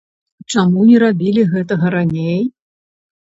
Чаму не рабілі гэтага раней?